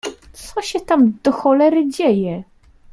Co się tam, do cholery, dzieje?